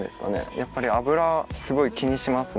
やっぱり脂すごい気にしますね。